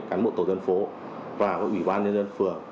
các bộ tổ dân phố và các ủy quan nhân dân phường